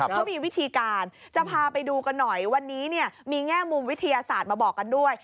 เขามีวิธีการจะพาไปดูกันหน่อยวันนี้เนี่ยมีแง่มุมวิทยาศาสตร์มาบอกกันด้วย